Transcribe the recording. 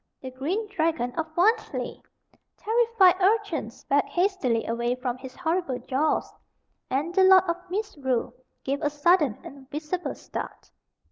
The green dragon of Wantley! Terrified urchins backed hastily away from his horrible jaws, and the Lord of Misrule gave a sudden and visible start.